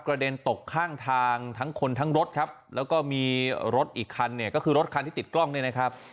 เด็นตกข้างทางทั้งคนทั้งรถครับแล้วก็มีรถอีกคันเนี่ยก็คือรถคันที่ติดกล้องเนี่ยนะครับ